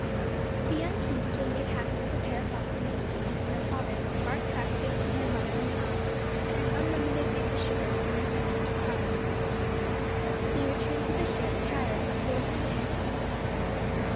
The young Keiths were made happy with a pair of moccasins apiece from their father, bark baskets from their mother and aunt, and unlimited maple sugar from their friend Mr. Carr. They returned to the ship tired but full of content.